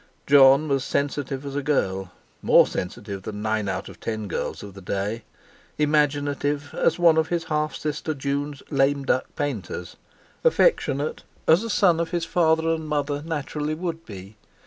Jon was sensitive as a girl, more sensitive than nine out of ten girls of the day; imaginative as one of his half sister June's "lame duck" painters; affectionate as a son of his father and his mother naturally would be.